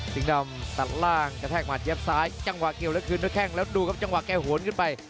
จังหวะเกี่ยวแล้วคืนด้วยแข้งแล้วดูครับจังหวะแก้โหนขึ้นไป